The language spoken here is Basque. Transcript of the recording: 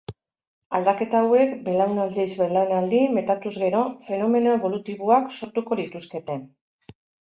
Aldaketa hauek, belaunaldiz belaunaldi metatuz gero, fenomeno ebolutiboak sortuko lituzkete.